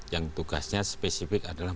yang tugasnya spesifik adalah